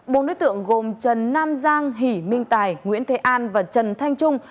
bốn đối tượng gồm trần nam giang hỷ minh tài nguyễn thế an và trần thanh trung